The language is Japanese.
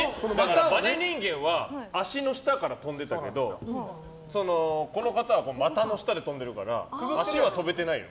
バネ人間は足の下から跳んでたけどこの方は股の下で跳んでいるから足は跳べてないのよ。